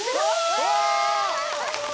うわ！